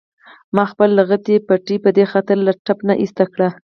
ما خپله لعنتي پټۍ په دې خاطر له ټپ نه ایسته کړه.